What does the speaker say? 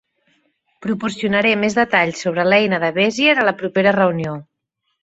Proporcionaré més detalls sobre l'eina de Bézier a la propera reunió.